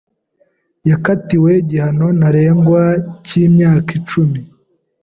Yakatiwe igihano ntarengwa cy'imyaka icumi.